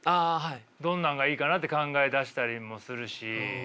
どんなんがいいかなって考え出したりもするし。